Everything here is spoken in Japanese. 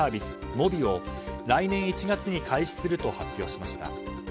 ｍｏｂｉを、来年１月に開始すると発表しました。